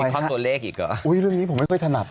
ทอดตัวเลขอีกเหรออุ้ยเรื่องนี้ผมไม่ค่อยถนัด